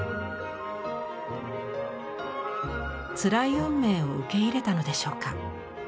つらい運命を受け入れたのでしょうか。